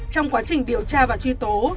trong quá trình điều tra và truy tố